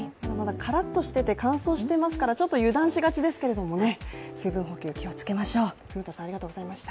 からっとしてて、乾燥してますからちょっと油断しがちですけれどもね水分補給、気をつけましょう。